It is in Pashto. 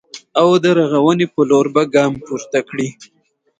او د رغونې په لور به ګام پورته کړي